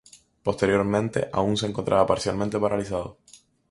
Posteriormente aún se encontraba parcialmente paralizado.